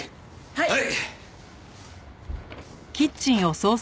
はい！